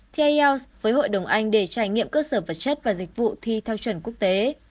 thi ielts với hội đồng anh để trải nghiệm cơ sở vật chất và dịch vụ thi theo chuẩn quốc tế